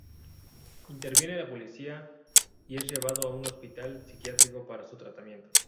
Interviene la policía y es llevado a un hospital psiquiátrico para su tratamiento.